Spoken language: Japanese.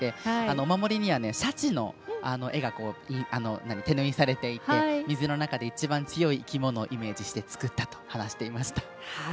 お守りにはシャチの絵が手縫いされていて水の中で一番強い生き物をイメージして作ったと話していました。